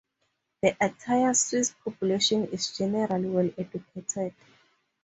The entire Swiss population is generally well educated.